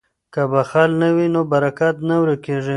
که بخل نه وي نو برکت نه ورکیږي.